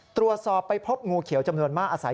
ตรวจสอบไปพบงูเขียวจำนวนมากอาศัย